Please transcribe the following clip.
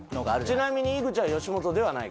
ちなみに井口は吉本ではない。